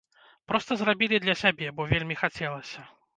Проста зрабілі для сябе, бо вельмі хацелася.